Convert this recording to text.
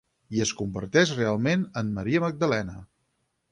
I es converteix realment en Maria Magdalena.